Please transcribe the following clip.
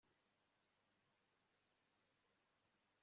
ibibazo birandwanya, ndatekereza rero ko nzareka ubu